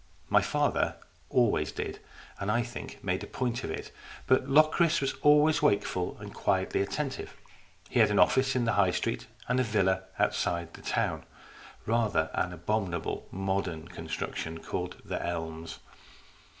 My father always did, and, I think, made a point of it, but Locris was always wakeful and quietly attentive. He had an office in the High Street and a villa outside the town rather an abominable modern construction called " The Elms."